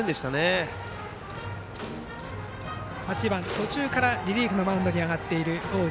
バッターは８番途中からリリーフのマウンドに上がっている大内。